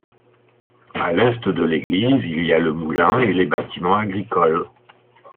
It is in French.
À l'est de l'église il y a le moulin et les bâtiments agricoles.